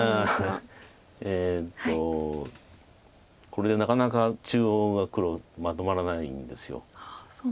これなかなか中央が黒まとまらないんです。